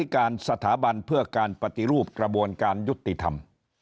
การสถาบันเพื่อการปฏิรูปกระบวนการยุติธรรม